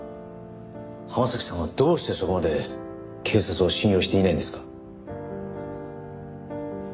浜崎さんはどうしてそこまで警察を信用していないんですか？